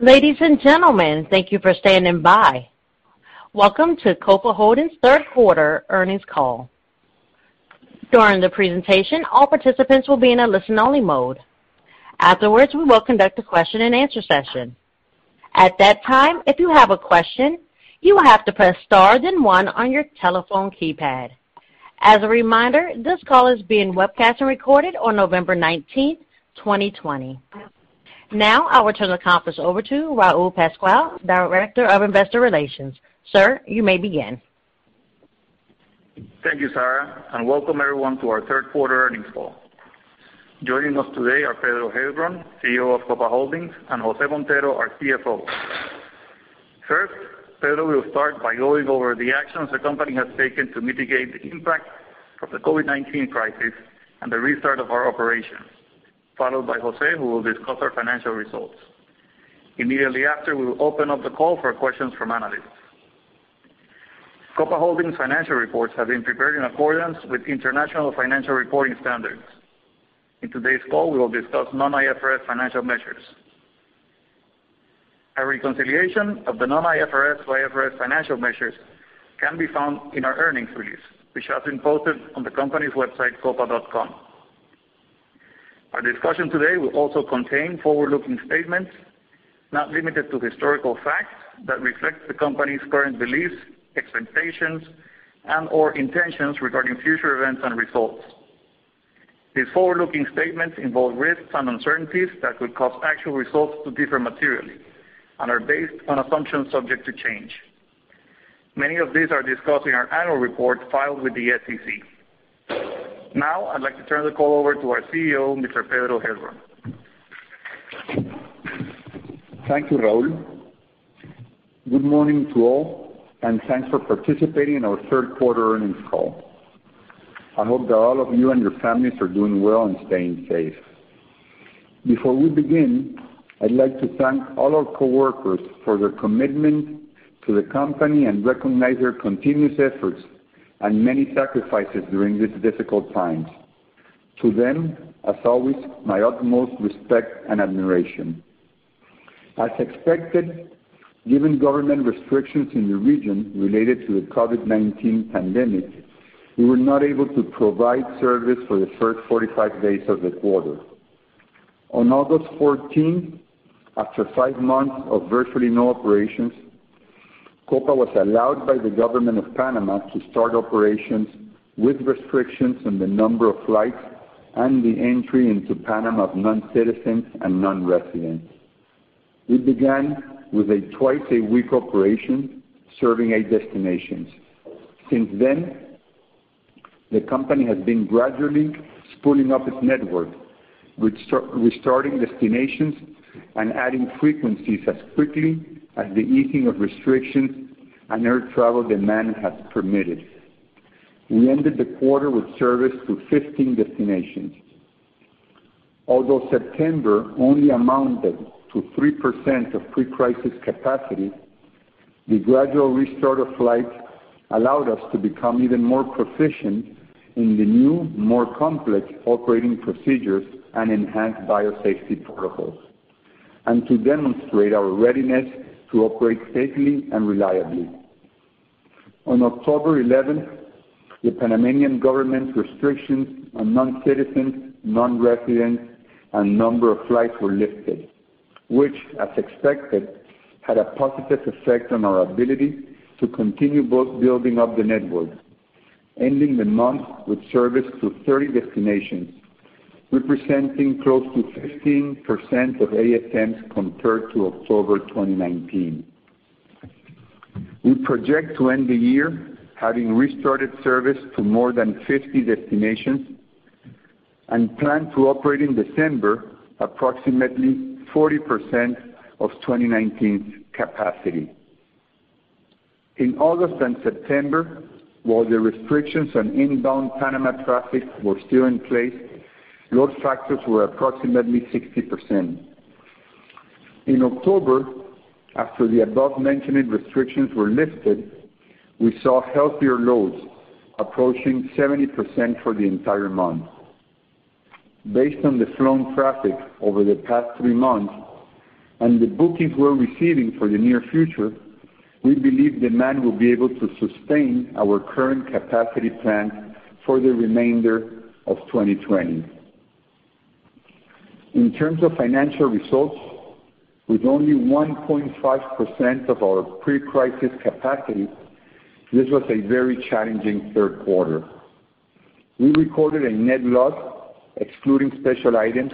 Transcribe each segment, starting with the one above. Ladies and gentlemen, thank you for standing by. Welcome to Copa Holdings Third Quarter Earnings Call. During the presentation, all participants will be in a listen-only mode. Afterwards, we will conduct a question and answer session. As a reminder, this call is being webcast and recorded on November 19th, 2020. Now I will turn the conference over to Raul Pascual, Director of Investor Relations. Sir, you may begin. Thank you, Sarah, and welcome everyone to our third quarter earnings call. Joining us today are Pedro Heilbron, CEO of Copa Holdings, and Jose Montero, our CFO. First, Pedro will start by going over the actions the company has taken to mitigate the impact of the COVID-19 crisis and the restart of our operations, followed by Jose, who will discuss our financial results. Immediately after, we will open up the call for questions from analysts. Copa Holdings financial reports have been prepared in accordance with International Financial Reporting Standards. In today's call, we will discuss non-IFRS financial measures. A reconciliation of the non-IFRS to IFRS financial measures can be found in our earnings release, which has been posted on the company's website, copa.com. Our discussion today will also contain forward-looking statements, not limited to historical facts that reflect the company's current beliefs, expectations, and/or intentions regarding future events and results. These forward-looking statements involve risks and uncertainties that could cause actual results to differ materially and are based on assumptions subject to change. Many of these are discussed in our annual report filed with the SEC. Now I'd like to turn the call over to our CEO, Mr. Pedro Heilbron. Thank you, Raul. Good morning to all, and thanks for participating in our third quarter earnings call. I hope that all of you and your families are doing well and staying safe. Before we begin, I'd like to thank all our coworkers for their commitment to the company and recognize their continuous efforts and many sacrifices during these difficult times. To them, as always, my utmost respect and admiration. As expected, given government restrictions in the region related to the COVID-19 pandemic, we were not able to provide service for the first 45 days of the quarter. On August 14th, after five months of virtually no operations, Copa was allowed by the government of Panama to start operations with restrictions on the number of flights and the entry into Panama of non-citizens and non-residents. We began with a twice-a-week operation serving eight destinations. Since then, the company has been gradually spooling up its network, restarting destinations and adding frequencies as quickly as the easing of restrictions and air travel demand has permitted. We ended the quarter with service to 15 destinations. Although September only amounted to 3% of pre-crisis capacity, the gradual restart of flights allowed us to become even more proficient in the new, more complex operating procedures and enhanced biosafety protocols, and to demonstrate our readiness to operate safely and reliably. On October 11th, the Panamanian government restrictions on non-citizens, non-residents, and number of flights were lifted, which, as expected, had a positive effect on our ability to continue both building up the network, ending the month with service to 30 destinations, representing close to 15% of ASMs compared to October 2019. We project to end the year having restarted service to more than 50 destinations and plan to operate in December approximately 40% of 2019's capacity. In August and September, while the restrictions on inbound Panama traffic were still in place, load factors were approximately 60%. In October, after the above-mentioned restrictions were lifted, we saw healthier loads approaching 70% for the entire month. Based on the flown traffic over the past three months and the bookings we're receiving for the near future, we believe demand will be able to sustain our current capacity plan for the remainder of 2020. In terms of financial results, with only 1.5% of our pre-crisis capacity, this was a very challenging third quarter. We recorded a net loss, excluding special items,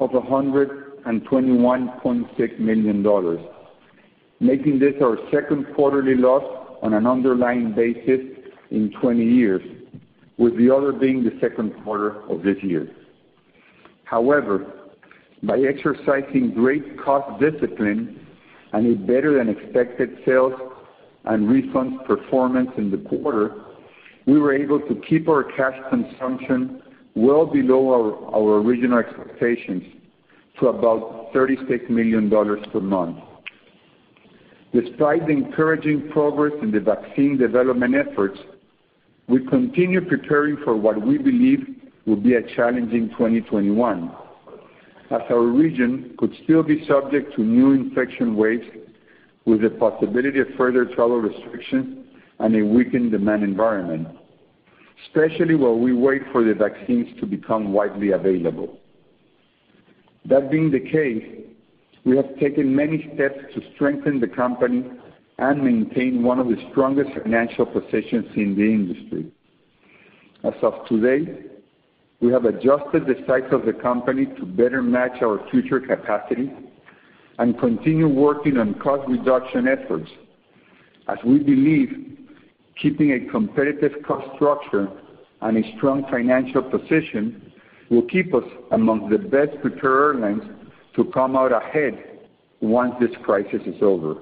of $121.6 million, making this our second quarterly loss on an underlying basis in 20 years, with the other being the second quarter of this year. However, by exercising great cost discipline and a better-than-expected sales and refunds performance in the quarter, we were able to keep our cash consumption well below our original expectations to about $36 million per month. Despite the encouraging progress in the vaccine development efforts, we continue preparing for what we believe will be a challenging 2021, as our region could still be subject to new infection waves with the possibility of further travel restrictions and a weakened demand environment, especially while we wait for the vaccines to become widely available. That being the case, we have taken many steps to strengthen the company and maintain one of the strongest financial positions in the industry. As of today, we have adjusted the size of the company to better match our future capacity and continue working on cost reduction efforts, as we believe keeping a competitive cost structure and a strong financial position will keep us among the best-prepared airlines to come out ahead once this crisis is over.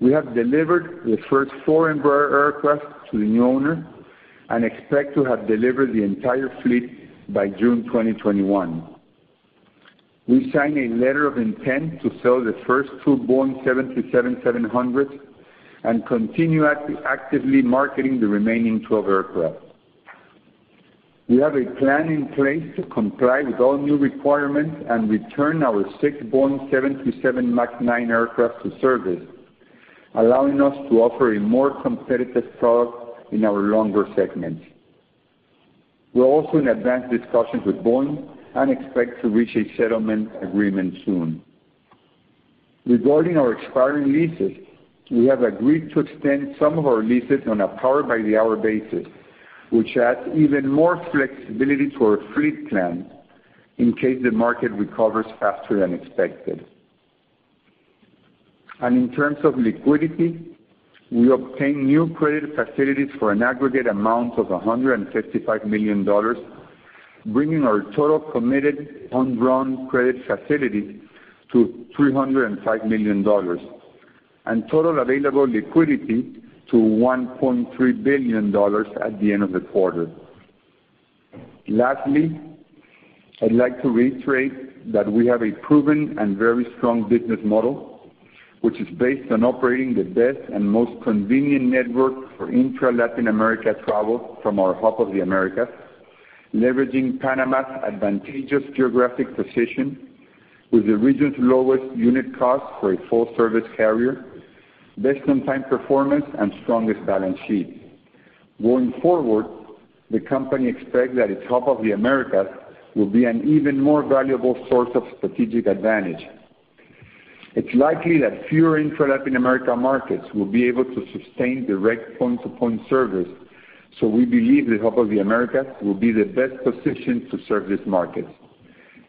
We have delivered the first four Embraer aircraft to the new owner and expect to have delivered the entire fleet by June 2021. We signed a letter of intent to sell the first two Boeing 737-700 and continue actively marketing the remaining 12 aircraft. We have a plan in place to comply with all new requirements and return our six Boeing 737 MAX 9 aircraft to service, allowing us to offer a more competitive product in our longer segments. We are also in advanced discussions with Boeing and expect to reach a settlement agreement soon. Regarding our expiring leases, we have agreed to extend some of our leases on a power by the hour basis, which adds even more flexibility to our fleet plan in case the market recovers faster than expected. In terms of liquidity, we obtained new credit facilities for an aggregate amount of $155 million, bringing our total committed undrawn credit facility to $305 million, and total available liquidity to $1.3 billion at the end of the quarter. Lastly, I'd like to reiterate that we have a proven and very strong business model, which is based on operating the best and most convenient network for intra-Latin America travel from our Hub of the Americas, leveraging Panama's advantageous geographic position with the region's lowest unit cost for a full-service carrier, best on-time performance, and strongest balance sheet. Going forward, the company expects that its Hub of the Americas will be an even more valuable source of strategic advantage. It's likely that fewer intra-Latin America markets will be able to sustain direct point-to-point service, so we believe the Hub of the Americas will be the best position to serve these markets.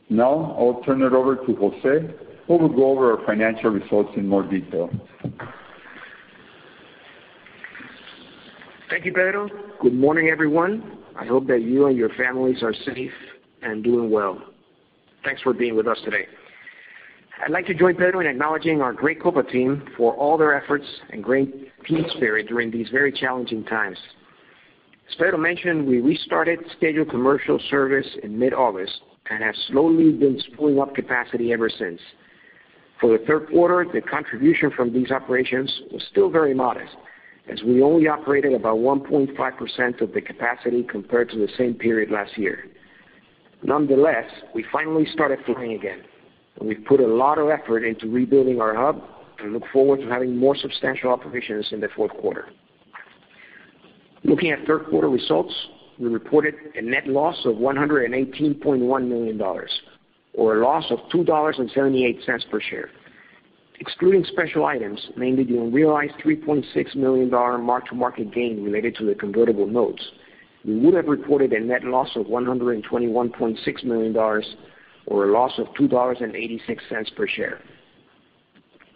Now, I'll turn it over to Jose, who will go over our financial results in more detail. Thank you, Pedro. Good morning, everyone. I hope that you and your families are safe and doing well. Thanks for being with us today. I'd like to join Pedro in acknowledging our great Copa team for all their efforts and great team spirit during these very challenging times. As Pedro mentioned, we restarted scheduled commercial service in mid-August and have slowly been spooling up capacity ever since. For the third quarter, the contribution from these operations was still very modest, as we only operated about 1.5% of the capacity compared to the same period last year. Nonetheless, we finally started flying again, and we've put a lot of effort into rebuilding our hub and look forward to having more substantial operations in the fourth quarter. Looking at third quarter results, we reported a net loss of $118.1 million, or a loss of $2.78 per share. Excluding special items, mainly the unrealized $3.6 million mark-to-market gain related to the convertible notes, we would have reported a net loss of $121.6 million, or a loss of $2.86 per share.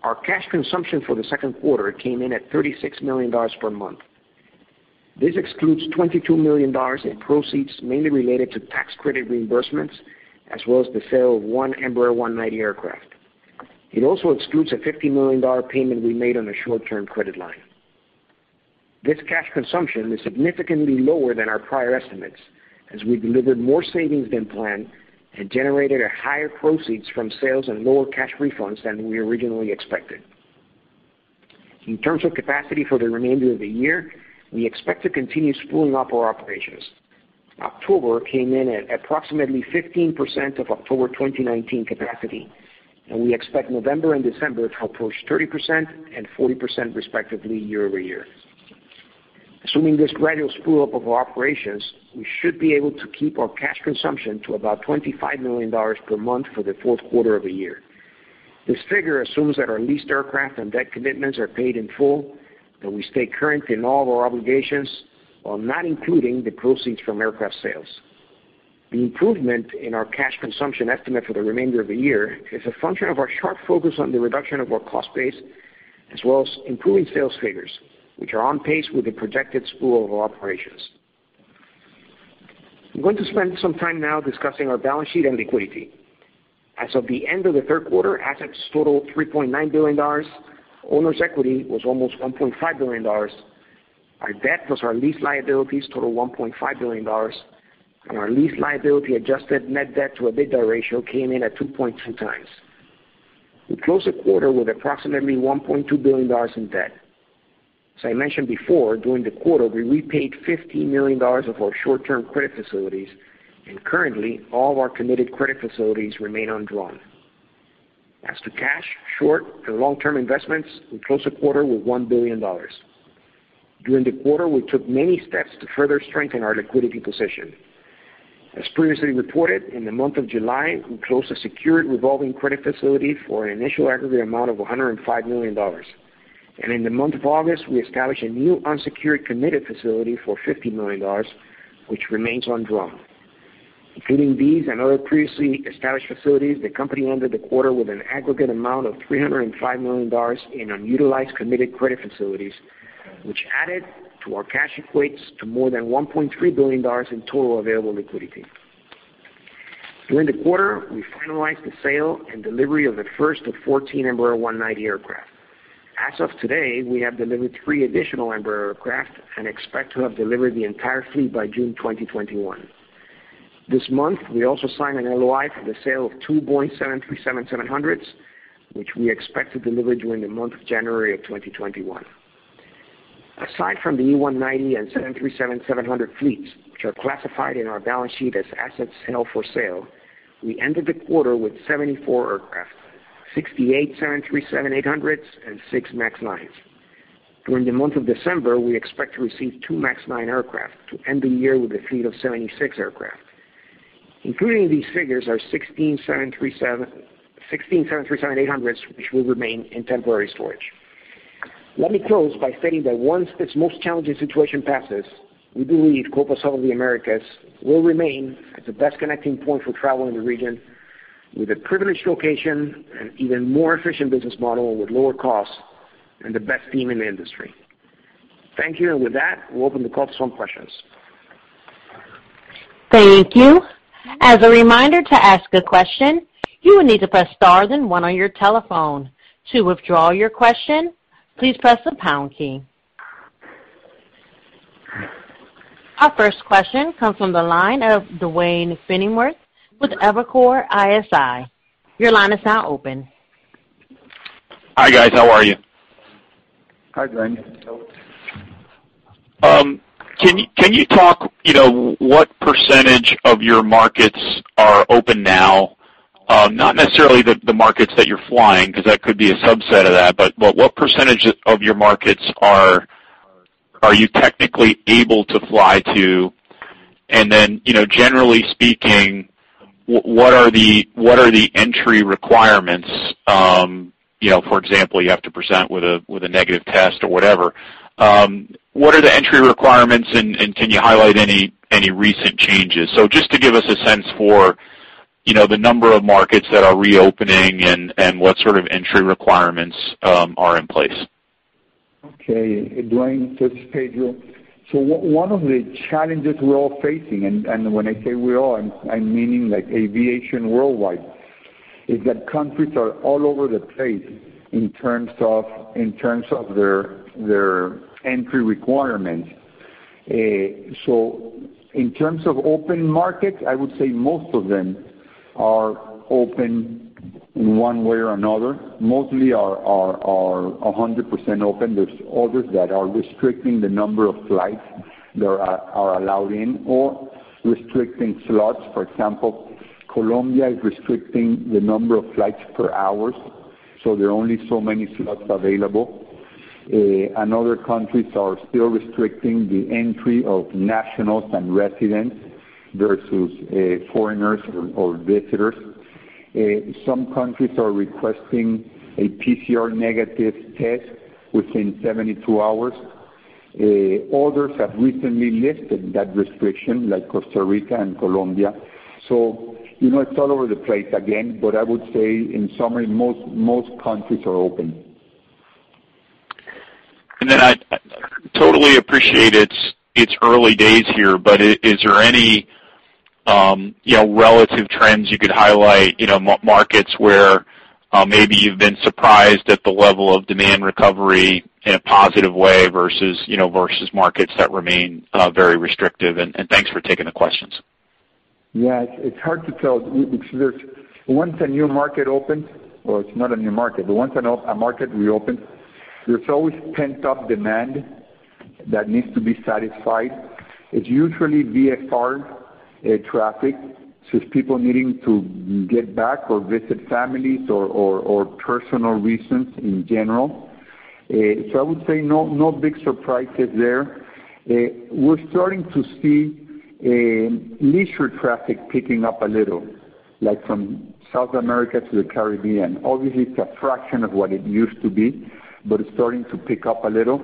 Our cash consumption for the second quarter came in at $36 million per month. This excludes $22 million in proceeds mainly related to tax credit reimbursements, as well as the sale of one Embraer 190 aircraft. It also excludes a $50 million payment we made on a short-term credit line. This cash consumption is significantly lower than our prior estimates, as we delivered more savings than planned and generated higher proceeds from sales and lower cash refunds than we originally expected. In terms of capacity for the remainder of the year, we expect to continue spooling up our operations. October came in at approximately 15% of October 2019 capacity. We expect November and December to approach 30% and 40% respectively year-over-year. Assuming this gradual spool up of operations, we should be able to keep our cash consumption to about $25 million per month for the fourth quarter of the year. This figure assumes that our leased aircraft and debt commitments are paid in full, that we stay current in all of our obligations, while not including the proceeds from aircraft sales. The improvement in our cash consumption estimate for the remainder of the year is a function of our sharp focus on the reduction of our cost base, as well as improving sales figures, which are on pace with the projected spool of our operations. I'm going to spend some time now discussing our balance sheet and liquidity. As of the end of the third quarter, assets total $3.9 billion. Owner's equity was almost $1.5 billion. Our debt plus our lease liabilities total $1.5 billion, our lease liability adjusted net debt to EBITDA ratio came in at 2.3 times. We closed the quarter with approximately $1.2 billion in debt. As I mentioned before, during the quarter, we repaid $50 million of our short-term credit facilities, and currently, all of our committed credit facilities remain undrawn. As to cash, short- and long-term investments, we closed the quarter with $1 billion. During the quarter, we took many steps to further strengthen our liquidity position. As previously reported, in the month of July, we closed a secured revolving credit facility for an initial aggregate amount of $105 million. In the month of August, we established a new unsecured committed facility for $50 million, which remains undrawn. Including these and other previously established facilities, the company ended the quarter with an aggregate amount of $305 million in unutilized committed credit facilities, which added to our cash equates to more than $1.3 billion in total available liquidity. During the quarter, we finalized the sale and delivery of the first of 14 Embraer 190 aircraft. As of today, we have delivered three additional Embraer aircraft and expect to have delivered the entire fleet by June 2021. This month, we also signed an LOI for the sale of two Boeing 737-700s, which we expect to deliver during the month of January of 2021. Aside from the E190 and 737-700 fleets, which are classified in our balance sheet as assets held for sale, we ended the quarter with 74 aircraft, 68 737-800s, and six MAX 9s. During the month of December, we expect to receive two MAX 9 aircraft to end the year with a fleet of 76 aircraft. Including these figures are 16 737-800s, which will remain in temporary storage. Let me close by saying that once this most challenging situation passes, we believe Copa's Hub of the Americas will remain as the best connecting point for travel in the region, with a privileged location and even more efficient business model with lower costs and the best team in the industry. Thank you. With that, we'll open the call for some questions. Thank you. As a reminder, to ask a question, you will need to press star then one on your telephone. To withdraw your question, please press the pound key. Our first question comes from the line of Duane Pfennigwerth with Evercore ISI. Your line is now open. Hi, guys. How are you? Hi, Duane. Can you talk what percentage of your markets are open now? Not necessarily the markets that you're flying, because that could be a subset of that, but what percentage of your markets are you technically able to fly to? Generally speaking, what are the entry requirements? For example, you have to present with a negative test or whatever. What are the entry requirements, and can you highlight any recent changes? Just to give us a sense for the number of markets that are reopening and what sort of entry requirements are in place. Okay. Duane, it's Pedro. One of the challenges we're all facing, and when I say we all, I'm meaning like aviation worldwide, is that countries are all over the place in terms of their entry requirements. In terms of open markets, I would say most of them are open in one way or another. Mostly are 100% open. There's others that are restricting the number of flights that are allowed in or restricting slots. For example, Colombia is restricting the number of flights per hours, there are only so many slots available. Other countries are still restricting the entry of nationals and residents versus foreigners or visitors. Some countries are requesting a PCR negative test within 72 hours. Others have recently lifted that restriction, like Costa Rica and Colombia. It's all over the place, again, but I would say in summary, most countries are open. I totally appreciate it's early days here, but is there any relative trends you could highlight, markets where maybe you've been surprised at the level of demand recovery in a positive way versus markets that remain very restrictive? Thanks for taking the questions. Yeah, it's hard to tell. Once a new market opens well, it's not a new market, but once a market reopens, there's always pent-up demand that needs to be satisfied. It's usually VFR traffic, so it's people needing to get back or visit families or personal reasons in general. I would say no big surprises there. We're starting to see leisure traffic picking up a little, like from South America to the Caribbean. Obviously, it's a fraction of what it used to be, but it's starting to pick up a little.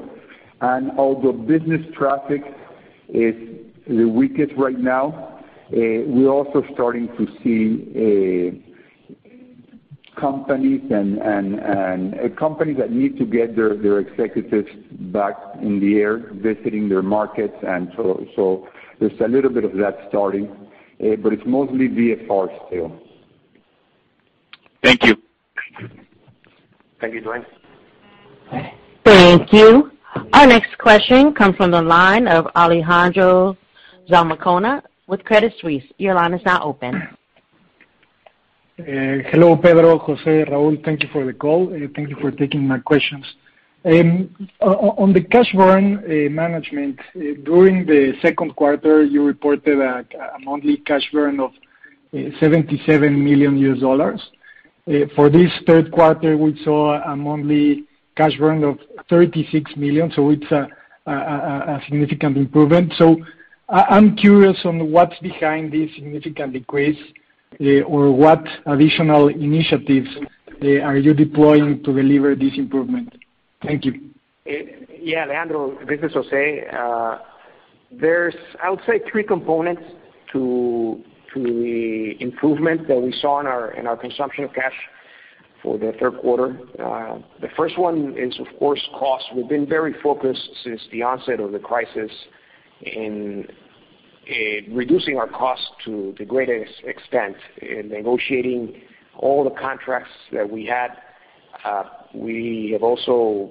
Although business traffic is the weakest right now, we're also starting to see companies that need to get their executives back in the air visiting their markets. There's a little bit of that starting, but it's mostly VFR still. Thank you. Thank you, Duane. Thank you. Our next question comes from the line of Alejandro Zamacona with Credit Suisse. Your line is now open. Hello, Pedro, Jose, Raul. Thank you for the call, and thank you for taking my questions. On the cash burn management, during the second quarter, you reported a monthly cash burn of $77 million. For this third quarter, we saw a monthly cash burn of $36 million. It's a significant improvement. I'm curious on what's behind this significant decrease, or what additional initiatives are you deploying to deliver this improvement? Thank you. Yeah, Alejandro. This is Jose. There's, I would say, three components to the improvement that we saw in our consumption of cash for the third quarter. The first one is, of course, cost. We've been very focused since the onset of the crisis in reducing our cost to the greatest extent, in negotiating all the contracts that we had. We have also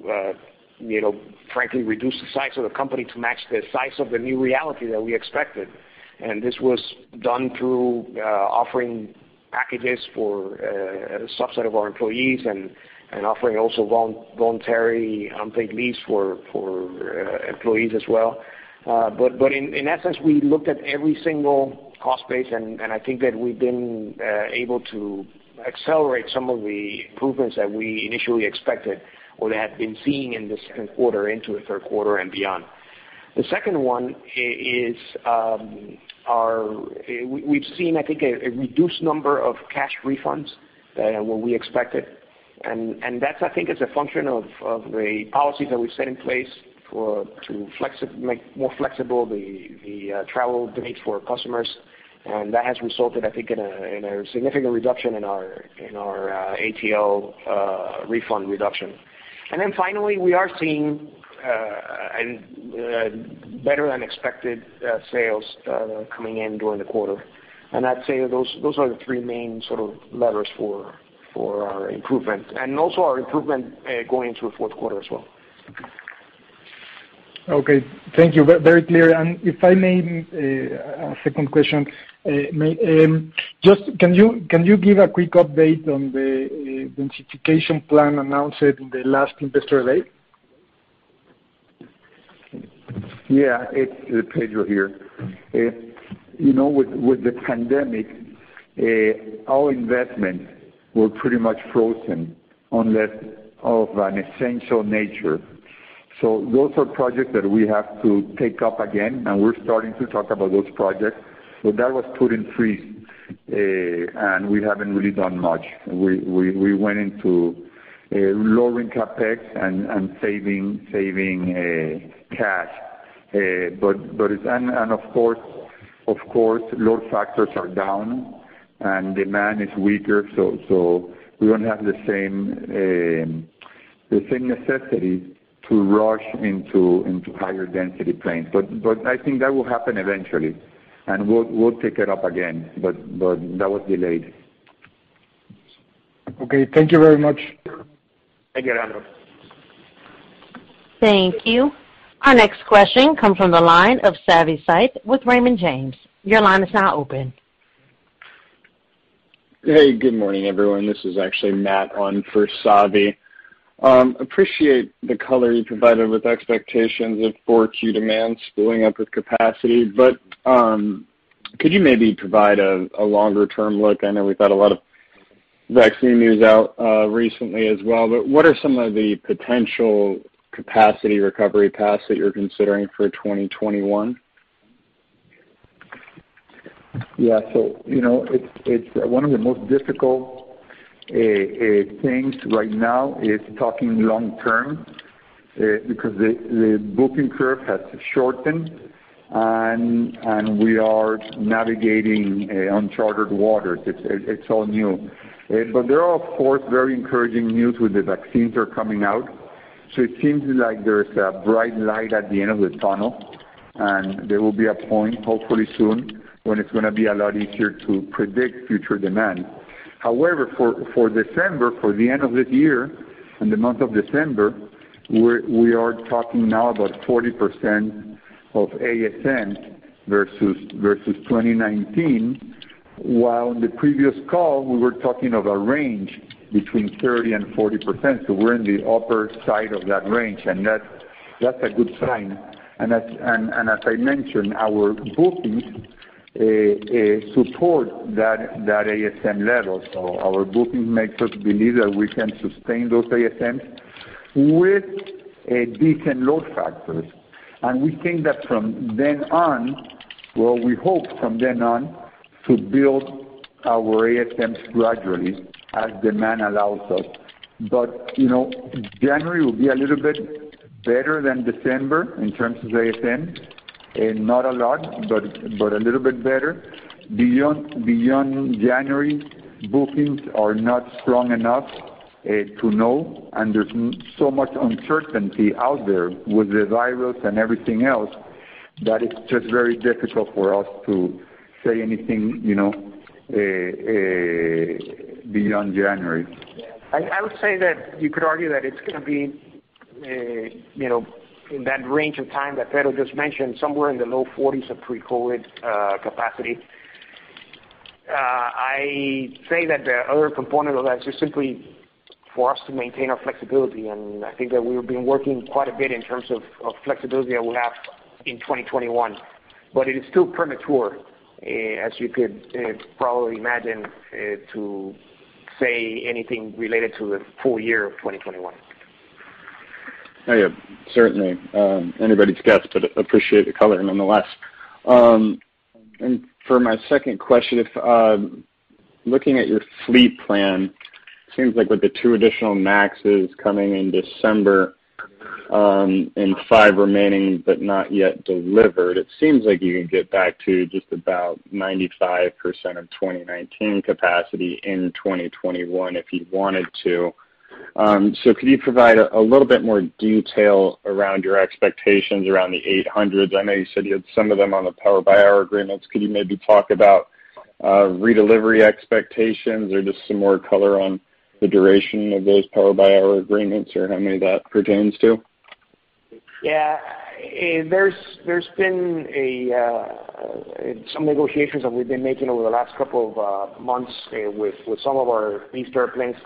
frankly reduced the size of the company to match the size of the new reality that we expected. This was done through offering packages for a subset of our employees and offering also voluntary unpaid leaves for employees as well. In essence, we looked at every single cost base, and I think that we've been able to accelerate some of the improvements that we initially expected or that had been seen in the second quarter into the third quarter and beyond. The second one is we've seen, I think, a reduced number of cash refunds than what we expected, and that I think is a function of the policies that we've set in place to make more flexible the travel dates for customers. That has resulted, I think, in a significant reduction in our ATL refund reduction. Then finally, we are seeing better-than-expected sales coming in during the quarter. I'd say those are the three main sort of levers for our improvement, and also our improvement going into the fourth quarter as well. Okay. Thank you. Very clear. If I may, a second question. Can you give a quick update on the densification plan announced at the last Investor Day? Yeah. It's Pedro here. With the pandemic, our investments were pretty much frozen unless of an essential nature. Those are projects that we have to take up again, and we're starting to talk about those projects. That was put in freeze, and we haven't really done much. We went into lowering CapEx and saving cash. Of course, load factors are down, and demand is weaker, so we don't have the same necessity to rush into higher density planes. I think that will happen eventually, and we'll take it up again. That was delayed. Okay. Thank you very much. Thank you, Alejandro. Thank you. Our next question comes from the line of Savi Syth with Raymond James. Your line is now open. Hey, good morning, everyone. This is actually Matt on for Savi. Appreciate the color you provided with expectations of 4Q demand spooling up with capacity. Could you maybe provide a longer-term look? I know we've had a lot of vaccine news out recently as well. What are some of the potential capacity recovery paths that you're considering for 2021? One of the most difficult things right now is talking long term because the booking curve has shortened, and we are navigating uncharted waters. It's all new. There are, of course, very encouraging news with the vaccines that are coming out. It seems like there's a bright light at the end of the tunnel, and there will be a point, hopefully soon, when it's going to be a lot easier to predict future demand. However, for December, for the end of the year and the month of December, we are talking now about 40% of ASM versus 2019, while in the previous call we were talking of a range between 30% and 40%. We're in the upper side of that range, and that's a good sign. As I mentioned, our bookings support that ASM level. Our booking makes us believe that we can sustain those ASMs with decent load factors. We think that from then on, well, we hope from then on to build our ASMs gradually as demand allows us. January will be a little bit better than December in terms of ASM. Not a lot, but a little bit better. Beyond January, bookings are not strong enough to know, and there's so much uncertainty out there with the virus and everything else. That is just very difficult for us to say anything beyond January. I would say that you could argue that it's going to be in that range of time that Pedro just mentioned, somewhere in the low 40%s of pre-COVID capacity. I say that the other component of that is just simply for us to maintain our flexibility, and I think that we've been working quite a bit in terms of flexibility that we'll have in 2021. It is still premature, as you could probably imagine, to say anything related to the full year of 2021. Yeah. Certainly. Anybody's guess, but appreciate the color nonetheless. For my second question, looking at your fleet plan, it seems like with the two additional MAXs coming in December, and five remaining, but not yet delivered, it seems like you can get back to just about 95% of 2019 capacity in 2021 if you wanted to. Could you provide a little bit more detail around your expectations around the 737-800s? I know you said you had some of them on the power by the hour agreements. Could you maybe talk about redelivery expectations or just some more color on the duration of those power by the hour agreements or how many that pertains to? There's been some negotiations that we've been making over the last couple of months with some of our leased airplanes.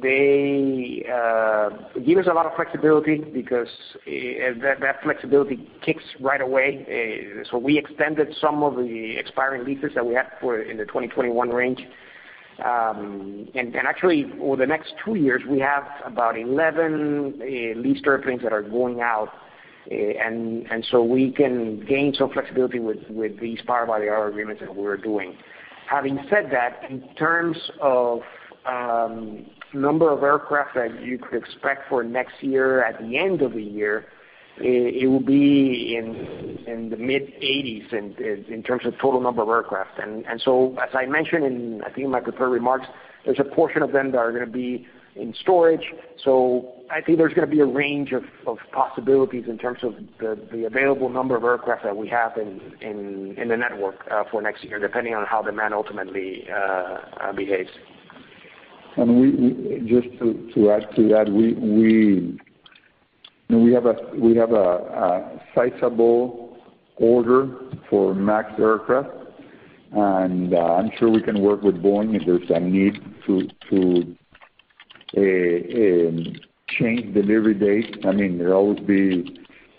They give us a lot of flexibility because that flexibility kicks right away. We extended some of the expiring leases that we have in the 2021 range. Actually, over the next two years, we have about 11 leased airplanes that are going out, we can gain some flexibility with these power by the hour agreements that we're doing. Having said that, in terms of number of aircraft that you could expect for next year at the end of the year, it will be in the mid-80s in terms of total number of aircraft. As I mentioned in, I think, my prepared remarks, there's a portion of them that are going to be in storage. I think there's going to be a range of possibilities in terms of the available number of aircraft that we have in the network for next year, depending on how demand ultimately behaves. Just to add to that, we have a sizable order for MAX aircraft, and I'm sure we can work with Boeing if there's a need to change delivery dates. There will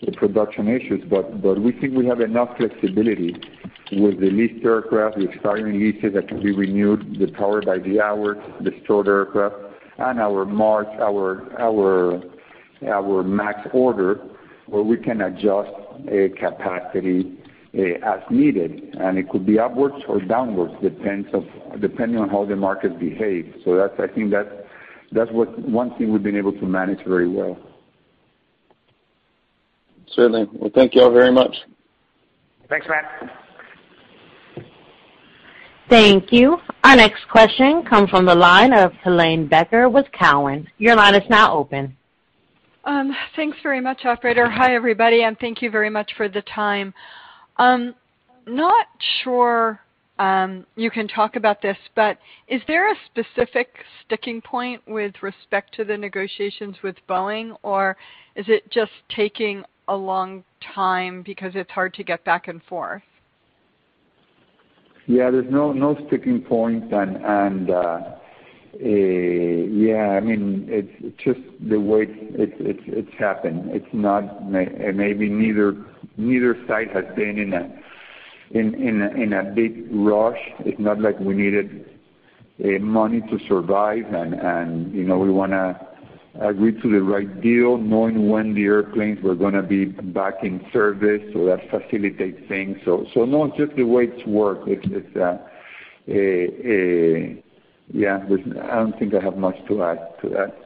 always be production issues, but we think we have enough flexibility with the leased aircraft, the expiring leases that can be renewed, the power by the hour, the stored aircraft, and our MAX order, where we can adjust capacity as needed, and it could be upwards or downwards, depending on how the market behaves. I think that's one thing we've been able to manage very well. Certainly. Well, thank you all very much. Thanks, Matt. Thank you. Our next question comes from the line of Helane Becker with Cowen. Your line is now open. Thanks very much, operator. Hi, everybody, and thank you very much for the time. Not sure you can talk about this, but is there a specific sticking point with respect to the negotiations with Boeing, or is it just taking a long time because it is hard to get back and forth? Yeah, there's no sticking point, yeah, it's just the way it's happened. Maybe neither side has been in a big rush. It's not like we needed money to survive, we want to agree to the right deal knowing when the airplanes were going to be back in service, that facilitates things. No, it's just the way it's worked. Yeah. I don't think I have much to add to that.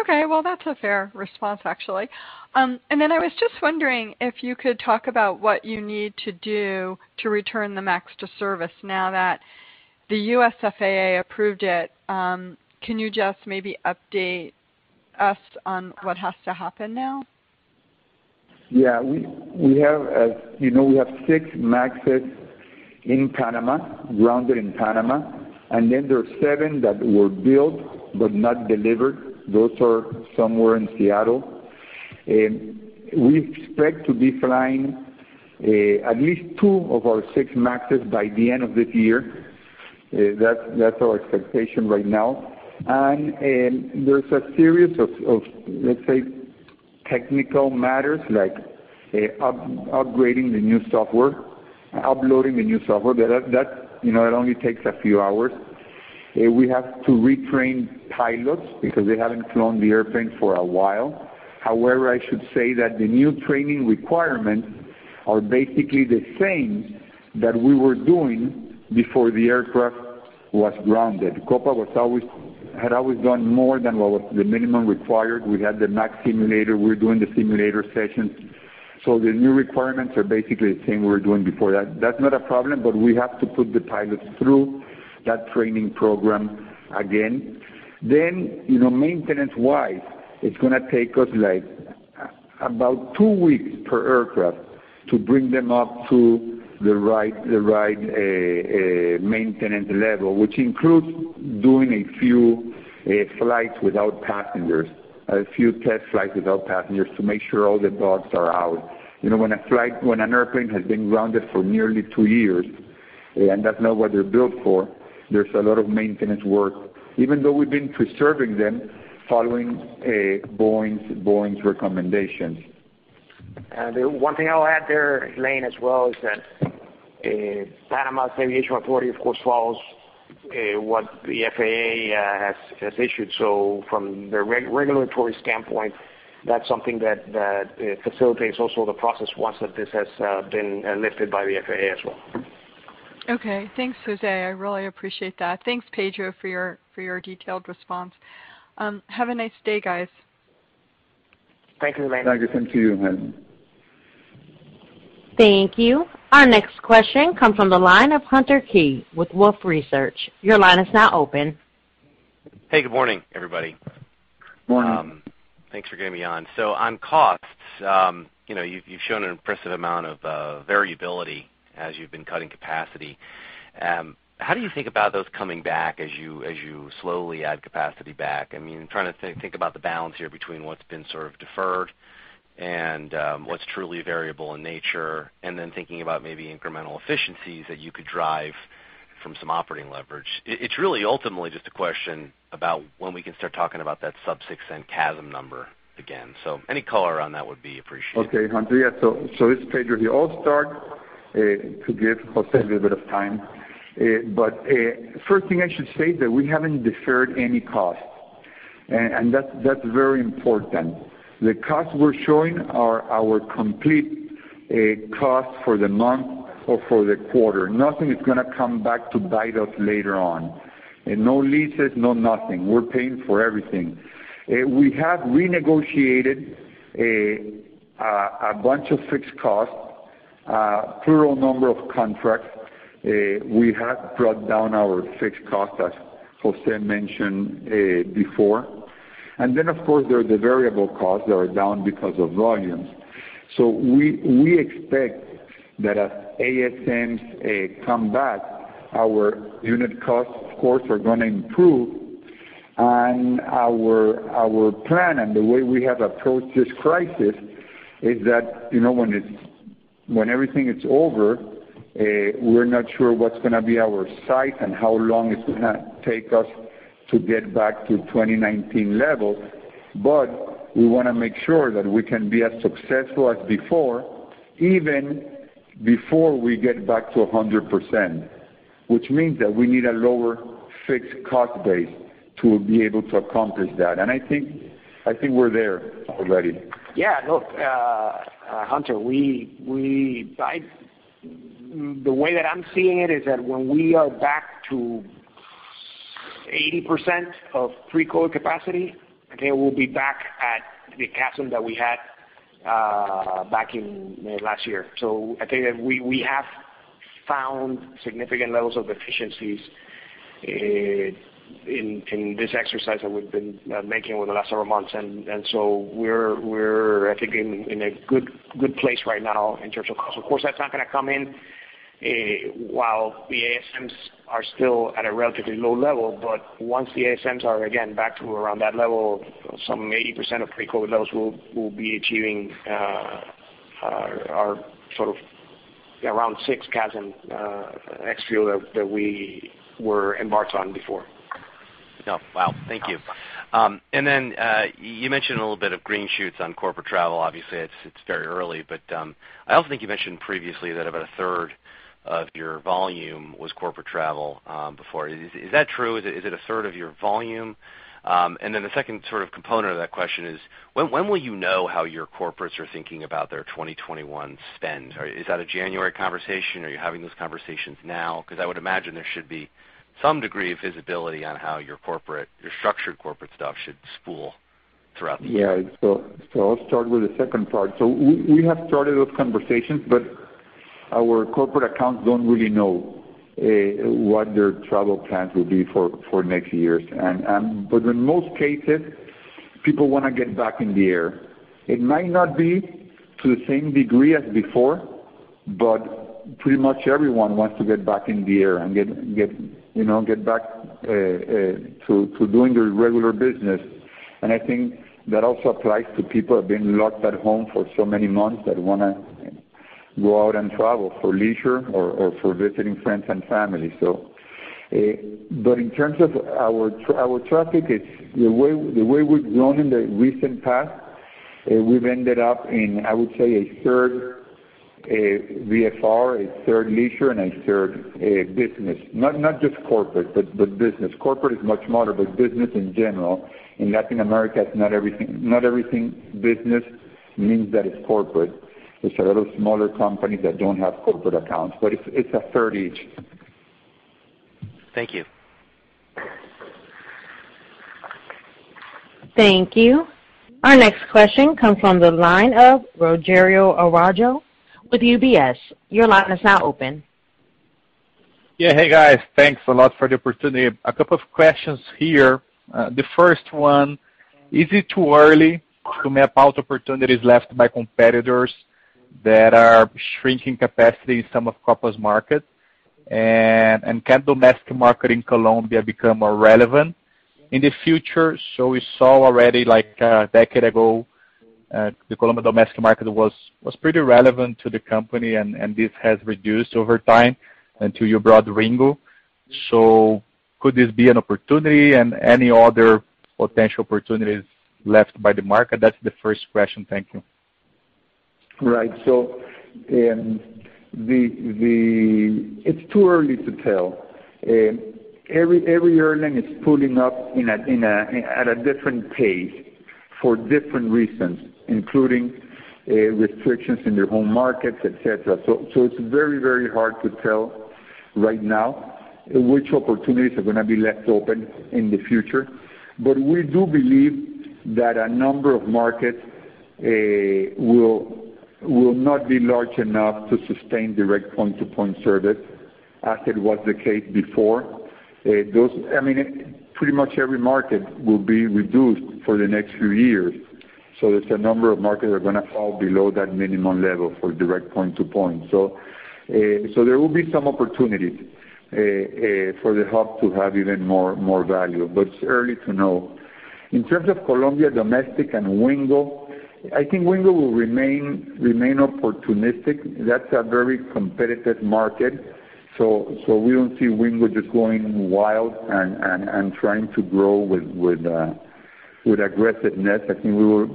Okay. Well, that's a fair response, actually. I was just wondering if you could talk about what you need to do to return the MAX to service now that the U.S. FAA approved it. Can you just maybe update us on what has to happen now? Yeah. We have six MAXs in Panama, grounded in Panama, and then there are seven that were built but not delivered. Those are somewhere in Seattle. We expect to be flying at least two of our six MAXs by the end of this year. That's our expectation right now. There's a series of, let's say, technical matters, like upgrading the new software, uploading the new software. That only takes a few hours. We have to retrain pilots because they haven't flown the airplane for a while. However, I should say that the new training requirements are basically the same that we were doing before the aircraft was grounded. Copa had always done more than what was the minimum required. We had the MAX simulator. We were doing the simulator sessions. The new requirements are basically the same we were doing before that. That's not a problem, but we have to put the pilots through that training program again. Maintenance-wise, it's going to take us about two weeks per aircraft to bring them up to the right maintenance level, which includes doing a few flights without passengers, a few test flights without passengers to make sure all the bugs are out. When an airplane has been grounded for nearly two years, and that's not what they're built for, there's a lot of maintenance work, even though we've been preserving them following Boeing's recommendations. The one thing I'll add there, Helane, as well is that Panama Aviation Authority, of course, follows what the FAA has issued. From the regulatory standpoint, that's something that facilitates also the process once that this has been lifted by the FAA as well. Okay. Thanks, Jose. I really appreciate that. Thanks, Pedro, for your detailed response. Have a nice day, guys. Thank you, Helane. Thank you. Thank you, Helane. Thank you. Our next question comes from the line of Hunter Keay with Wolfe Research. Your line is now open. Hey, good morning, everybody. Morning. Thanks for getting me on. On costs, you've shown an impressive amount of variability as you've been cutting capacity. How do you think about those coming back as you slowly add capacity back? I'm trying to think about the balance here between what's been sort of deferred and what's truly variable in nature, and then thinking about maybe incremental efficiencies that you could drive from some operating leverage. It's really ultimately just a question about when we can start talking about that sub-six and CASM number again. Any color on that would be appreciated. Okay, Hunter. Yeah, it's Pedro here. I'll start to give Jose a little bit of time. First thing I should say that we haven't deferred any cost, that's very important. The costs we're showing are our complete cost for the month or for the quarter. Nothing is going to come back to bite us later on. No leases, no nothing. We're paying for everything. We have renegotiated a bunch of fixed costs, a plural number of contracts. We have brought down our fixed costs, as Jose mentioned before. Of course, there are the variable costs that are down because of volumes. We expect that as ASMs come back, our unit costs, of course, are going to improve. Our plan and the way we have approached this crisis is that when everything is over, we're not sure what's going to be our size and how long it's going to take us to get back to 2019 levels, but we want to make sure that we can be as successful as before, even before we get back to 100%, which means that we need a lower fixed cost base to be able to accomplish that. I think we're there already. Yeah. Look, Hunter, the way that I'm seeing it is that when we are back to 80% of pre-COVID capacity, okay, we'll be back at the CapEx that we had back in last year. I think that we have found significant levels of efficiencies in this exercise that we've been making over the last several months, and so we're, I think, in a good place right now in terms of cost. Of course, that's not going to come in while the ASMs are still at a relatively low level. Once the ASMs are again back to around that level, some 80% of pre-COVID levels, we'll be achieving our sort of around six CASM ex-fuel that we were embarked on before. Oh, wow. Thank you. You mentioned a little bit of green shoots on corporate travel. Obviously, it's very early, but I also think you mentioned previously that about a third of your volume was corporate travel before. Is that true? Is it a third of your volume? The second component of that question is when will you know how your corporates are thinking about their 2021 spend? Is that a January conversation? Are you having those conversations now? Because I would imagine there should be some degree of visibility on how your structured corporate stuff should spool throughout the year. Yeah. I'll start with the second part. We have started those conversations, but our corporate accounts don't really know what their travel plans will be for next year. In most cases, people want to get back in the air. It might not be to the same degree as before, but pretty much everyone wants to get back in the air and get back to doing their regular business. I think that also applies to people who have been locked at home for so many months that want to go out and travel for leisure or for visiting friends and family. In terms of our traffic, the way we've gone in the recent past, we've ended up in, I would say, a third VFR, a third leisure, and a third business. Not just corporate, but business. Corporate is much smaller, but business in general. In Latin America, not everything business means that it's corporate. It's a lot of smaller companies that don't have corporate accounts. It's a third each. Thank you. Thank you. Our next question comes from the line of Rogerio Araujo with UBS. Your line is now open. Yeah. Hey, guys. Thanks a lot for the opportunity. A couple of questions here. The first one, is it too early to map out opportunities left by competitors that are shrinking capacity in some of Copa's market? Can domestic market in Colombia become more relevant in the future? We saw already, like, a decade ago, the Colombia domestic market was pretty relevant to the company, and this has reduced over time until you brought Wingo. Could this be an opportunity and any other potential opportunities left by the market? That's the first question. Thank you. Right. It's too early to tell. Every airline is pulling up at a different pace for different reasons, including restrictions in their home markets, et cetera. It's very hard to tell right now which opportunities are going to be left open in the future. We do believe that a number of markets will not be large enough to sustain direct point-to-point service as it was the case before. Pretty much every market will be reduced for the next few years. There's a number of markets that are going to fall below that minimum level for direct point-to-point. There will be some opportunities for the hub to have even more value. It's early to know. In terms of Colombia domestic and Wingo, I think Wingo will remain opportunistic. That's a very competitive market, so we don't see Wingo just going wild and trying to grow with aggressiveness. I think we will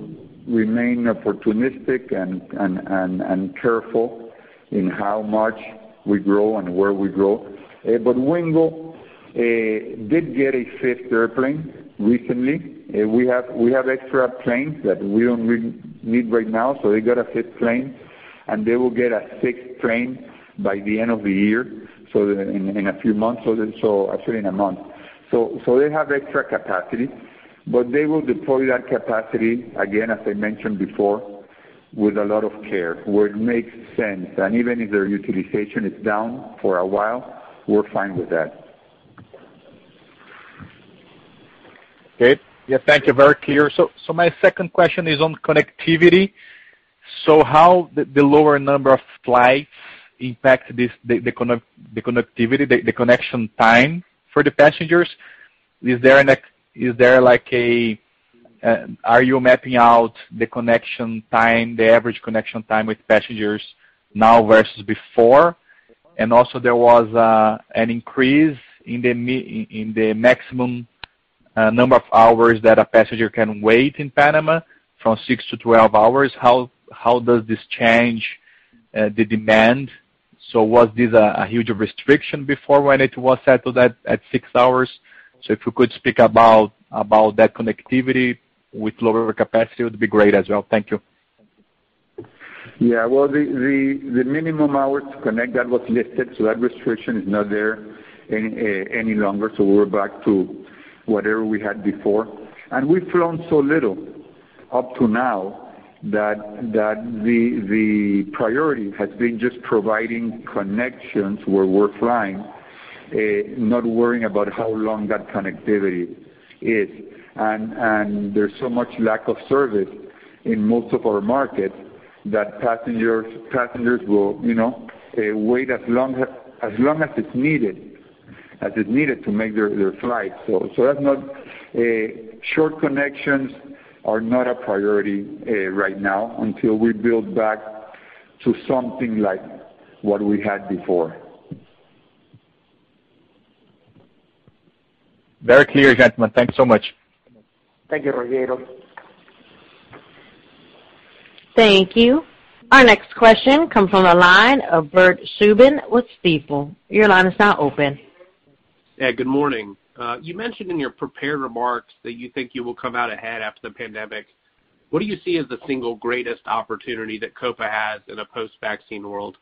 remain opportunistic and careful in how much we grow and where we grow. Wingo did get a fifth airplane recently. We have extra planes that we don't need right now, so they got a fifth plane, and they will get a sixth plane by the end of the year, so in a few months, actually in a month. They have extra capacity, but they will deploy that capacity, again, as I mentioned before, with a lot of care, where it makes sense. Even if their utilization is down for a while, we're fine with that. Okay. Yeah, thank you. Very clear. My second question is on connectivity. How the lower number of flights impact the connectivity, the connection time for the passengers? Are you mapping out the connection time, the average connection time with passengers now versus before? Also, there was an increase in the maximum number of hours that a passenger can wait in Panama from 6-12 hours. How does this change the demand? Was this a huge restriction before when it was set to that at six hours? If you could speak about that connectivity with lower capacity, it would be great as well. Thank you. Yeah. Well, the minimum hours to connect, that was lifted, so that restriction is not there any longer. We're back to whatever we had before. We've flown so little up to now that the priority has been just providing connections where we're flying, not worrying about how long that connectivity is. There's so much lack of service in most of our markets that passengers will wait as long as is needed to make their flight. Short connections are not a priority right now until we build back to something like what we had before. Very clear, gentlemen. Thank you so much. Thank you, Rogerio. Thank you. Our next question comes from the line of Bert Subin with Stifel. Your line is now open. Yeah. Good morning. You mentioned in your prepared remarks that you think you will come out ahead after the pandemic. What do you see as the single greatest opportunity that Copa has in a post-vaccine world?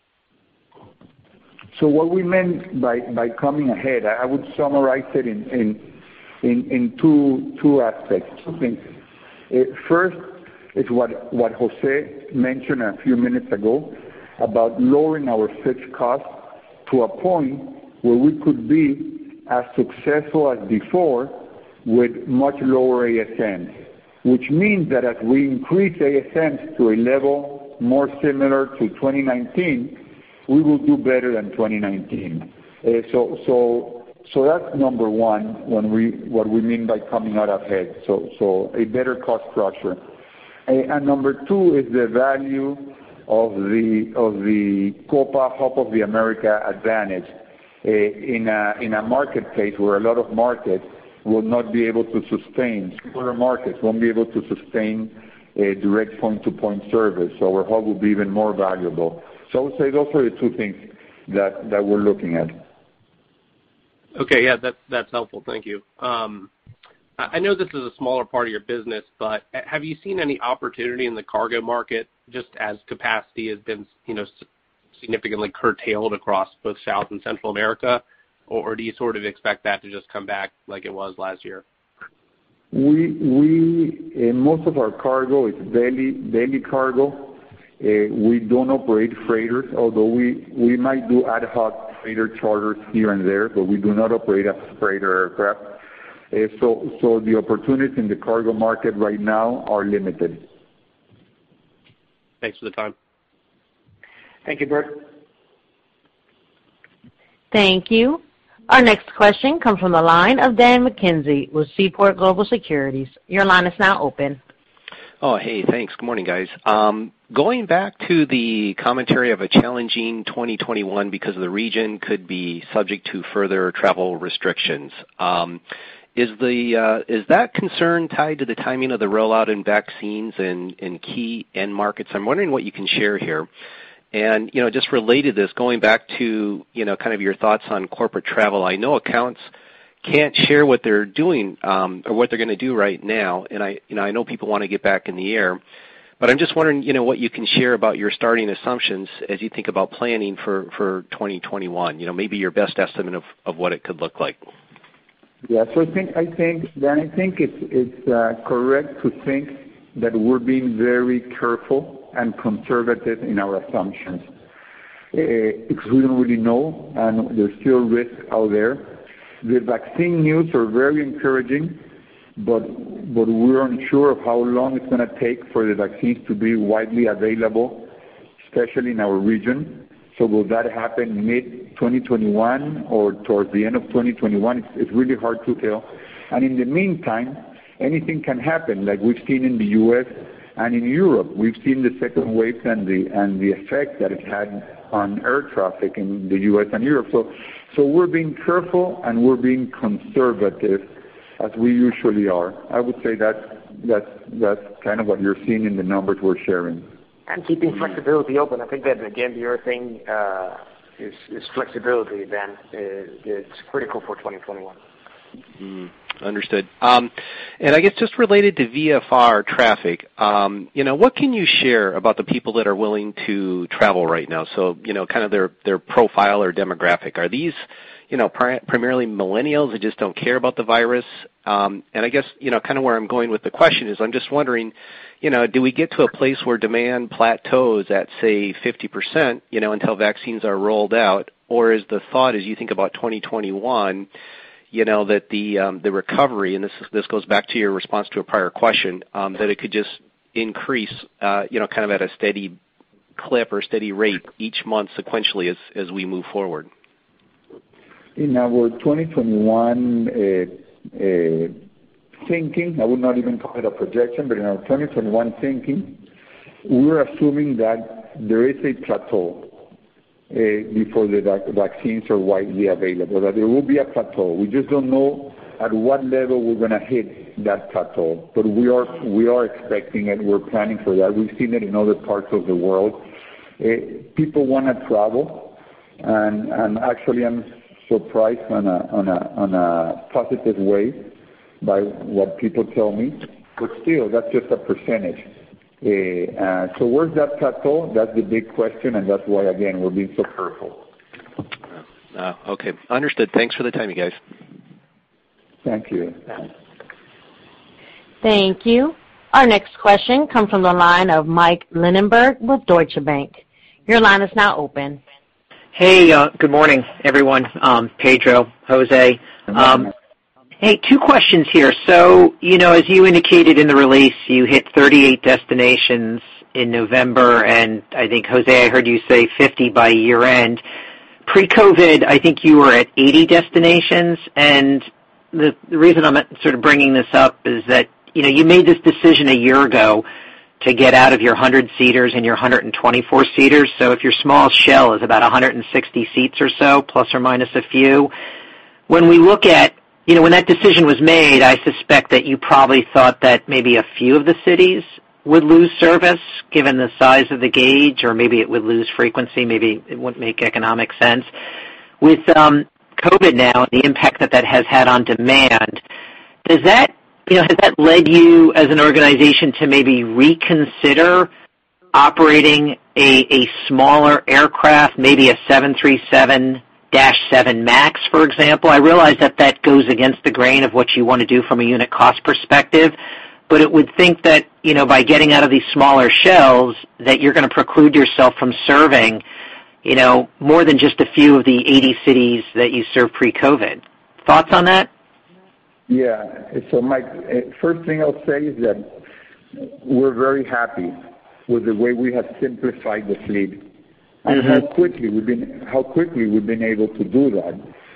What we meant by coming ahead, I would summarize it in two aspects. I think first is what Jose mentioned a few minutes ago about lowering our fixed cost to a point where we could be as successful as before with much lower ASMs. Which means that as we increase ASMs to a level more similar to 2019, we will do better than 2019. That's number one, what we mean by coming out ahead. A better cost structure. Number two is the value of the Copa Hub of the Americas advantage. In a market case where a lot of markets will not be able to sustain, smaller markets won't be able to sustain a direct point-to-point service, so our hub will be even more valuable. I would say those are the two things that we're looking at. Okay. Yeah, that's helpful. Thank you. I know this is a smaller part of your business, have you seen any opportunity in the cargo market just as capacity has been significantly curtailed across both South and Central America, or do you sort of expect that to just come back like it was last year? Most of our cargo is daily cargo. We don't operate freighters, although we might do ad hoc freighter charters here and there, but we do not operate a freighter aircraft. The opportunities in the cargo market right now are limited. Thanks for the time. Thank you, Bert. Thank you. Our next question comes from the line of Dan McKenzie with Seaport Global Securities. Your line is now open. Oh, hey, thanks. Good morning, guys. Going back to the commentary of a challenging 2021 because of the region could be subject to further travel restrictions, is that concern tied to the timing of the rollout in vaccines in key end markets? I'm wondering what you can share here. Just related to this, going back to your thoughts on corporate travel, I know accounts can't share what they're doing, or what they're going to do right now, and I know people want to get back in the air, but I'm just wondering what you can share about your starting assumptions as you think about planning for 2021, maybe your best estimate of what it could look like. Yeah. I think, Dan, it's correct to think that we're being very careful and conservative in our assumptions. We don't really know, and there's still risk out there. The vaccine news are very encouraging, but we're unsure of how long it's going to take for the vaccines to be widely available, especially in our region. Will that happen mid-2021 or towards the end of 2021? It's really hard to tell. In the meantime, anything can happen, like we've seen in the U.S. and in Europe. We've seen the second wave and the effect that it had on air traffic in the U.S. and Europe. We're being careful, and we're being conservative as we usually are. I would say that's kind of what you're seeing in the numbers we're sharing. Keeping flexibility open. I think that, again, the other thing is flexibility, Dan, is critical for 2021. Understood. I guess just related to VFR traffic, what can you share about the people that are willing to travel right now? Kind of their profile or demographic? Are these primarily millennials that just don't care about the virus? I guess where I'm going with the question is, I'm just wondering, do we get to a place where demand plateaus at, say, 50% until vaccines are rolled out, or is the thought as you think about 2021, that the recovery, and this goes back to your response to a prior question, that it could just increase at a steady clip or steady rate each month sequentially as we move forward? In our 2021 thinking, I would not even call it a projection, in our 2021 thinking, we're assuming that there is a plateau before the vaccines are widely available, that there will be a plateau. We just don't know at what level we're going to hit that plateau. We are expecting it. We're planning for that. We've seen it in other parts of the world. People want to travel, actually, I'm surprised in a positive way by what people tell me. Still, that's just a percentage. Where is that plateau? That's the big question, that's why, again, we're being so careful. Okay. Understood. Thanks for the time, you guys. Thank you. Thank you. Our next question comes from the line of Mike Linenberg with Deutsche Bank. Your line is now open. Hey, good morning, everyone, Pedro, Jose. Hey, two questions here. As you indicated in the release, you hit 38 destinations in November, and I think, Jose, I heard you say 50 by year-end. Pre-COVID, I think you were at 80 destinations, and the reason I'm sort of bringing this up is that you made this decision a year ago to get out of your 100-seaters and your 124-seaters. If your smallest shell is about 160 seats or so, plus or minus a few. When that decision was made, I suspect that you probably thought that maybe a few of the cities would lose service, given the size of the gauge, or maybe it would lose frequency, maybe it wouldn't make economic sense. With COVID now and the impact that that has had on demand, has that led you as an organization to maybe reconsider operating a smaller aircraft, maybe a 737-7 MAX, for example? I realize that that goes against the grain of what you want to do from a unit cost perspective, but I would think that by getting out of these smaller shells, that you're going to preclude yourself from serving more than just a few of the 80 cities that you served pre-COVID. Thoughts on that? Yeah. Mike, first thing I'll say is that we're very happy with the way we have simplified the fleet. How quickly we've been able to do that.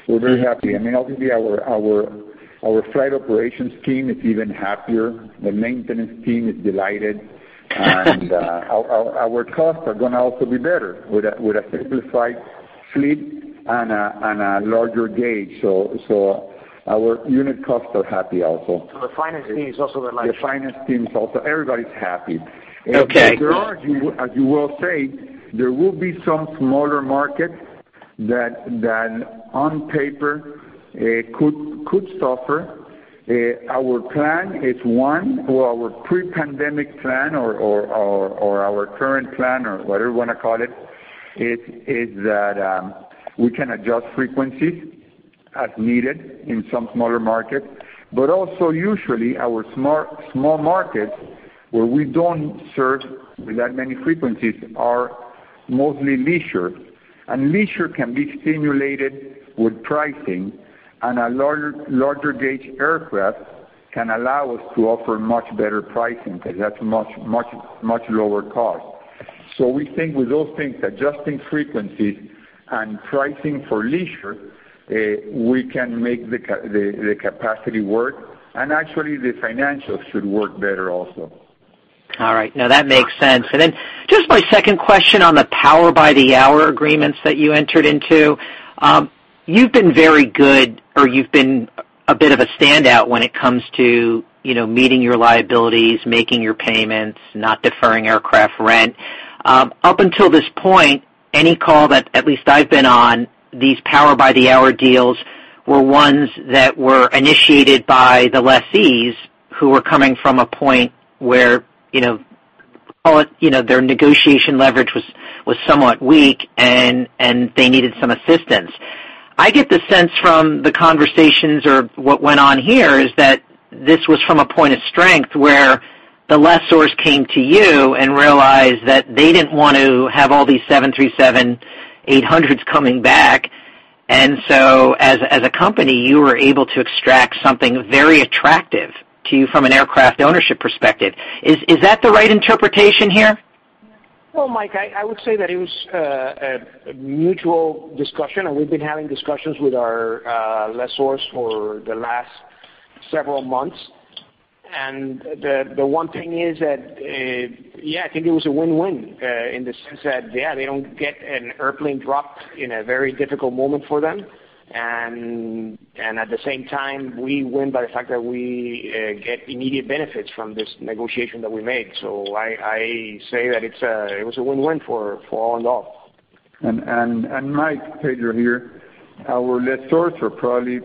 We're very happy. Obviously, our flight operations team is even happier. The maintenance team is delighted. Our costs are going to also be better with a simplified fleet and a larger gauge. Our unit costs are happy also. The finance team is also delighted. The finance team is also. Everybody's happy. Okay. There are, as you well say, there will be some smaller markets that on paper could suffer. Our plan is one, or our pre-pandemic plan, or our current plan, or whatever you want to call it, is that we can adjust frequencies as needed in some smaller markets. Also usually our small markets where we don't serve with that many frequencies are mostly leisure. Leisure can be stimulated with pricing, a larger gauge aircraft can allow us to offer much better pricing because that's much lower cost. We think with those things, adjusting frequencies and pricing for leisure, we can make the capacity work, actually the financials should work better also. All right. No, that makes sense. Just my second question on the power by the hour agreements that you entered into. You've been very good, or you've been a bit of a standout when it comes to meeting your liabilities, making your payments, not deferring aircraft rent. Up until this point, any call that at least I've been on, these power by the hour deals were ones that were initiated by the lessees who were coming from a point where their negotiation leverage was somewhat weak, and they needed some assistance. I get the sense from the conversations or what went on here is that this was from a point of strength where the lessors came to you and realized that they didn't want to have all these 737-800s coming back. As a company, you were able to extract something very attractive to you from an aircraft ownership perspective. Is that the right interpretation here? Well, Mike, I would say that it was a mutual discussion, and we've been having discussions with our lessors for the last several months. The one thing is that, yeah, I think it was a win-win in the sense that, yeah, they don't get an airplane dropped in a very difficult moment for them. At the same time, we win by the fact that we get immediate benefits from this negotiation that we made. I say that it was a win-win for all involved. Mike, Pedro here. Our lessors are probably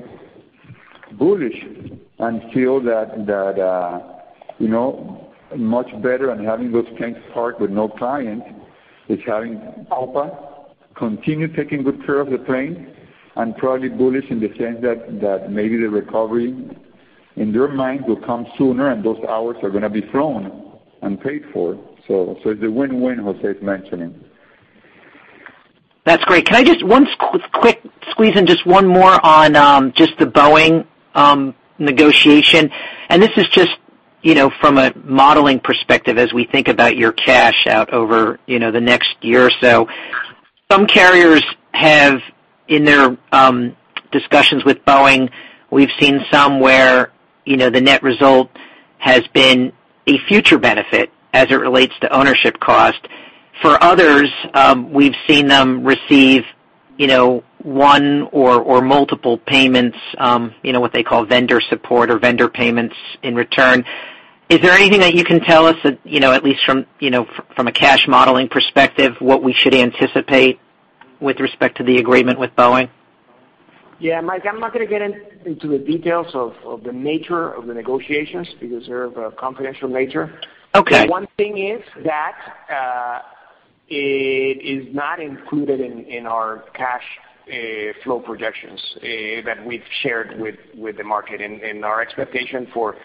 bullish and feel that much better and having those planes parked with no client is having Copa continue taking good care of the plane, and probably bullish in the sense that maybe the recovery in their mind will come sooner and those hours are going to be flown and paid for. It's a win-win Jose is mentioning. That's great. Can I just one quick squeeze in just one more on just the Boeing negotiation? This is just from a modeling perspective as we think about your cash out over the next year or so. Some carriers have in their discussions with Boeing, we've seen some where the net result has been a future benefit as it relates to ownership cost. For others, we've seen them receive one or multiple payments, what they call vendor support or vendor payments in return. Is there anything that you can tell us that, at least from a cash modeling perspective, what we should anticipate with respect to the agreement with Boeing? Yeah, Mike, I'm not going to get into the details of the nature of the negotiations because they're of a confidential nature. Okay. One thing is that it is not included in our cash flow projections that we've shared with the market. Our expectation for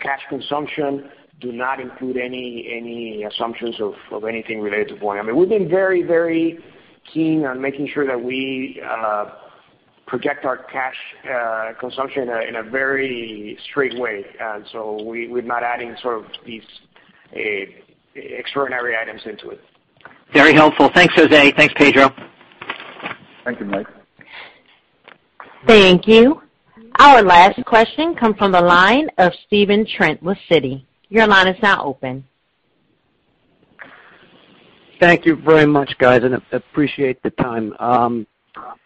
cash consumption do not include any assumptions of anything related to Boeing. I mean, we've been very keen on making sure that we project our cash consumption in a very straight way. We're not adding sort of these extraordinary items into it. Very helpful. Thanks, Jose. Thanks, Pedro. Thank you, Mike. Thank you. Our last question comes from the line of Stephen Trent with Citi. Thank you very much, guys, and appreciate the time.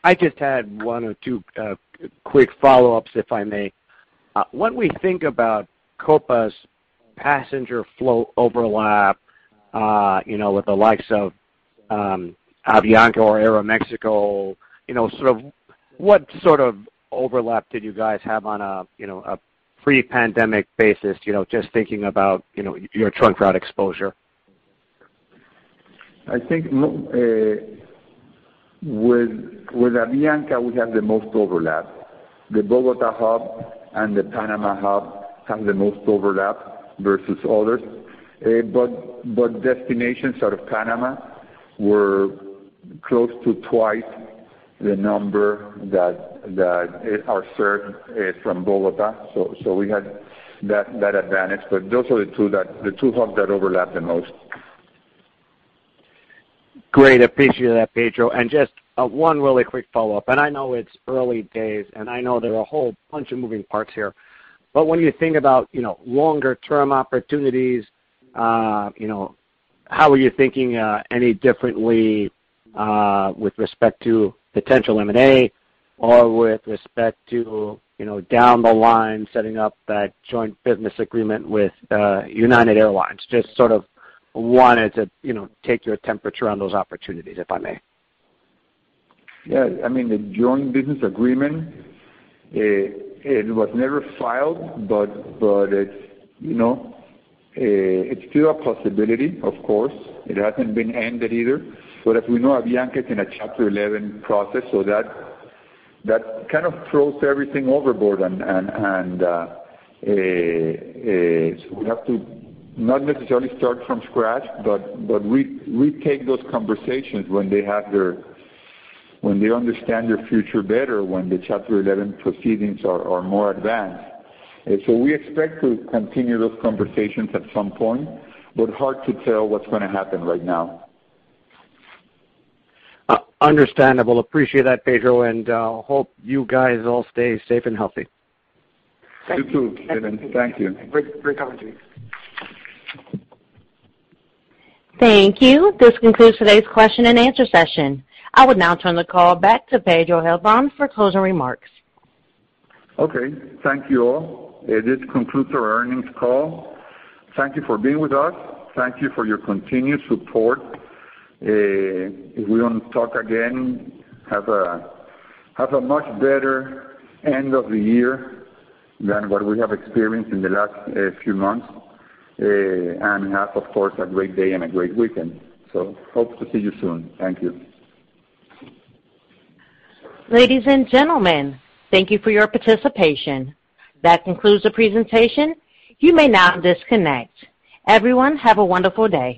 I just had one or two quick follow-ups, if I may. When we think about Copa's passenger flow overlap, with the likes of Avianca or Aeroméxico, what sort of overlap did you guys have on a pre-pandemic basis, just thinking about your trunk route exposure? I think with Avianca we have the most overlap. The Bogotá hub and the Panama hub have the most overlap versus others. Destinations out of Panama were close to twice the number that are served from Bogotá. We had that advantage. Those are the two hubs that overlap the most. Great. Appreciate that, Pedro. Just one really quick follow-up, I know it's early days, I know there are a whole bunch of moving parts here. When you think about longer-term opportunities, how are you thinking any differently with respect to potential M&A or with respect to down the line setting up that joint business agreement with United Airlines? Just sort of wanted to take your temperature on those opportunities, if I may. Yeah. I mean, the joint business agreement, it was never filed, but it's still a possibility, of course. It hasn't been ended either. As we know, Avianca is in a Chapter 11 process, so that kind of throws everything overboard. We have to not necessarily start from scratch, but retake those conversations when they understand their future better, when the Chapter 11 proceedings are more advanced. We expect to continue those conversations at some point, but hard to tell what's going to happen right now. Understandable. Appreciate that, Pedro. Hope you guys all stay safe and healthy. You too, Stephen. Thank you. Great commentary. Thank you. This concludes today's question and answer session. I would now turn the call back to Pedro Heilbron for closing remarks. Okay. Thank you all. This concludes our earnings call. Thank you for being with us. Thank you for your continued support. If we don't talk again, have a much better end of the year than what we have experienced in the last few months. Have, of course, a great day and a great weekend. Hope to see you soon. Thank you. Ladies and gentlemen, thank you for your participation. That concludes the presentation. You may now disconnect. Everyone, have a wonderful day.